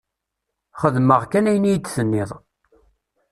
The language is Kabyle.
Xedmeɣ kan ayen i yi-d-tenniḍ.